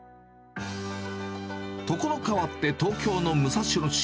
所変わって、東京の武蔵野市。